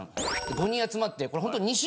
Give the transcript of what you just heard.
５人集まってこれホント。